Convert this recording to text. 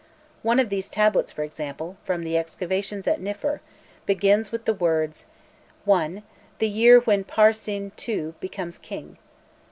One of these tablets, for example, from the excavations at Niffer, begins with the words: (1) "The year when Par Sin (II.) becomes king.